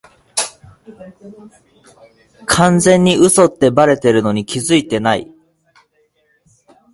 完全に嘘ってバレてるのに気づいてない